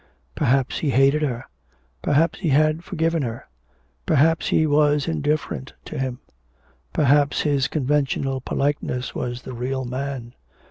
Perhaps he hated her. Perhaps he had forgiven her. Perhaps she was indifferent to him. Perhaps his conventional politeness was the real man.